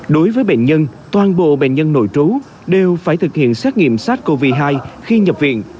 đối với bệnh nhân toàn bộ bệnh nhân nội trú đều phải thực hiện xét nghiệm sát covid một mươi chín khi nhập viện